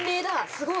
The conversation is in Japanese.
すごい。